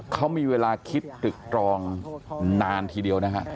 เขามีเวลาคิดตึกตรองนานทีเดียวนะฮะ